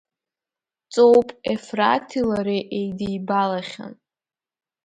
Ҵоуп, Ефраҭи лареи еидибалахьан.